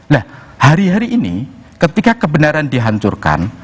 nah hari hari ini ketika kebenaran dihancurkan